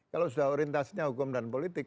kalau sudah orientasinya hukum dan politik